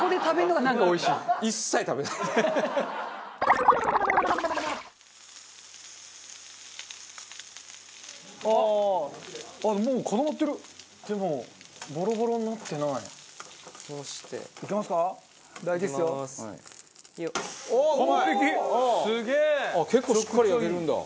結構しっかり焼けるんだ。